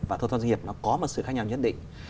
và thâu tóm doanh nghiệp nó có một sự khác nhau nhất định